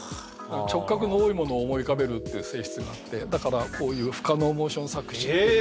直角の多いものを思い浮かべるっていう性質があってだからこういう不可能モーションスゴい